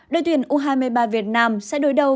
đội tuyển u hai mươi ba việt nam sẽ đối đầu